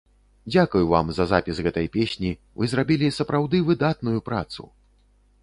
Дзякуй вам за запіс гэтай песні, вы зрабілі сапраўды выдатную працу.